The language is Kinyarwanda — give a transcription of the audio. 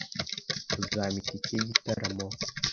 Uzampa itike yigitaramo?